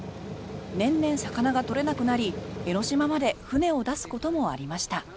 年々、魚が取れなくなり江の島まで船を出すこともありました。